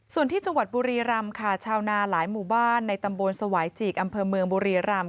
ส่วนที่จังหวัดบุรีรำค่ะชาวนาหลายหมู่บ้านในตำบลสวายจีกอำเภอเมืองบุรีรำ